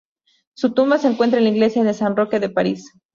Su tumba se encuentra en la iglesia de San Roque de París.